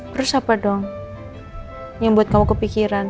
terus apa dong yang buat kamu kepikiran